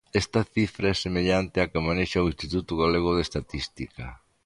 Esta cifra é semellante á que manexa o Instituto Galego de Estatística.